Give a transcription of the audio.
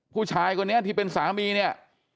ผู้ชายคนนี้ที่เป็นสามีเนี่ย